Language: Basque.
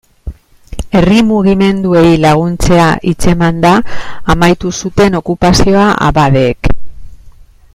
Herri mugimenduei laguntzea hitzemanda amaitu zuten okupazioa abadeek.